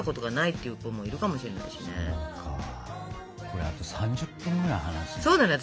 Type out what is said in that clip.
これあと３０分ぐらい話せるね。